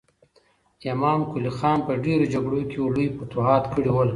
امام قلي خان په ډېرو جګړو کې لوی فتوحات کړي ول.